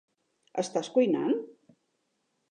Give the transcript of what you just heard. Estàs cuinant?